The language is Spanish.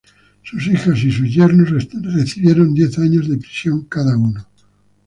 Sus hijas y sus yernos recibieron diez años de prisión cada uno.